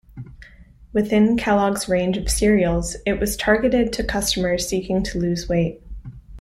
Within Kellogg's range of cereals, it was targeted to customers seeking to lose weight.